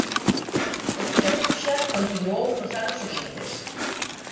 O tirapuxa continuou nos anos seguintes.